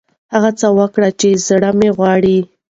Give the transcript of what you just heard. هغه څه وکړئ چې زړه مو غواړي.